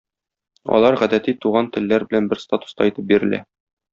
Алар гадәти туган телләр белән бер статуста итеп бирелә.